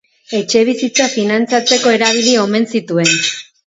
Etxebizitza finantzatzeko erabili omen zituen.